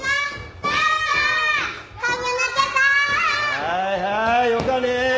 はいはいよかね。